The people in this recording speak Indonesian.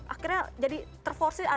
akhirnya jadi terporsi